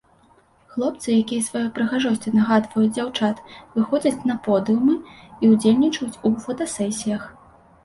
Хлопцы, якія сваёй прыгажосцю нагадваюць дзяўчат, выходзяць на подыумы і ўдзельнічаюць у фотасесіях.